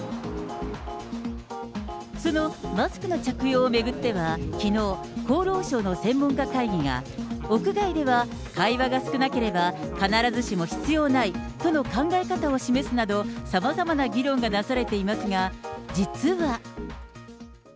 そのマスクの着用を巡ってはきのう、厚労省の専門家会議が、屋外では会話が少なければ、必ずしも必要ないとの考え方を示すなど、さまざまな議論がなされていますが、実は。